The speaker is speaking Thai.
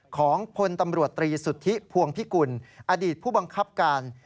ของพลตำรวจตรีสุทธิพวงพิกุลอดีตผู้บังคับการ